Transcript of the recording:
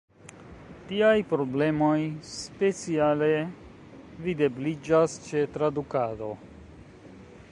Tiaj problemoj speciale videbliĝas ĉe tradukado.